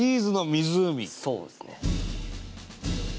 そうですね。